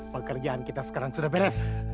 pekerjaan kita sekarang sudah beres